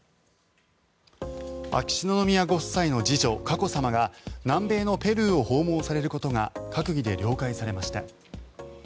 秋篠宮ご夫妻の次女・佳子さまが南米のペルーを訪問されることが閣議で了解されました。